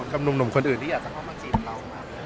กับหนุ่มคนอื่นที่อยากจะเข้ามาจีบเรา